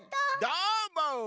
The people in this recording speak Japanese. どーも！